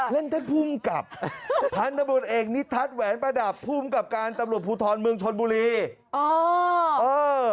เล่นแทนภูมิกับท่านตำรวจเอกนิทัศน์แหวนประดับภูมิกับการตำรวจภูทรเมืองชนบุรี